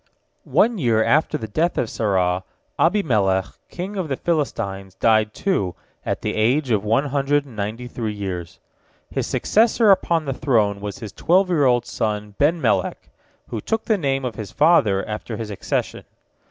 One year after the death of Sarah, Abimelech king of the Philistines died, too, at the age of one hundred and ninety three years. His successor upon the throne was his twelve year old son Benmelek, who took the name of his father after his accession.